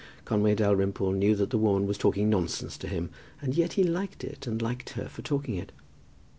Conway Dalrymple knew that the woman was talking nonsense to him, and yet he liked it, and liked her for talking it.